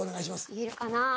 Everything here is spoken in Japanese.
言えるかな？